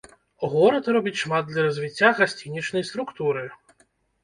Горад робіць шмат для развіцця гасцінічнай структуры.